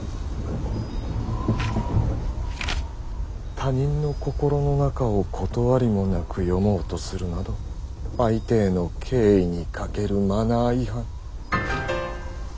「他人の心の中を断りもなく読まうとするなど相手への敬意に欠けるマナー違反」。